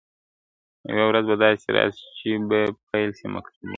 یوه ورځ به داسي راسي چي به پیل سي مکتبونه ..